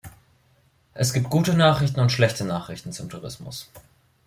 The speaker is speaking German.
Es gibt gute Nachrichten und schlechte Nachrichten zum Tourismus.